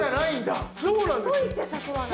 振っといて誘わない。